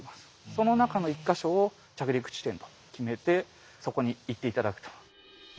その中の１か所を着陸地点と決めてそこに行って頂くと。